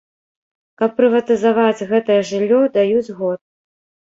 Каб прыватызаваць гэтае жыллё, даюць год.